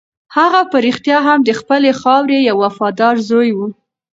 هغه په رښتیا هم د خپلې خاورې یو وفادار زوی و.